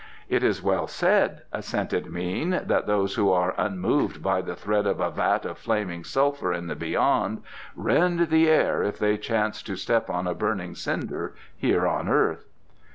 "It is well said," assented Mean, "that those who are unmoved by the threat of a vat of flaming sulphur in the Beyond, rend the air if they chance to step on a burning cinder here on earth."